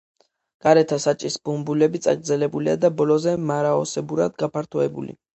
გარეთა საჭის ბუმბულები წაგრძელებულია და ბოლოზე მარაოსებურად გაფართოებული.